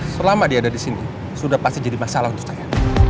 selama dia ada di sini sudah pasti jadi masalah untuk saya